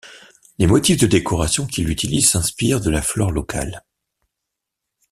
Les motifs de décoration qu’il utilise s’inspirent de la flore locale.